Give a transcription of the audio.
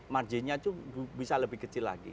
margin nya itu bisa lebih kecil lagi